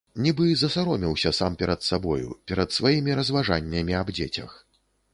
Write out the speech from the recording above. Нібы засаромеўся сам перад сабою, перад сваімі разважаннямі аб дзецях.